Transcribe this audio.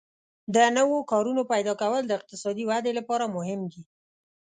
د نوو کارونو پیدا کول د اقتصادي ودې لپاره مهم دي.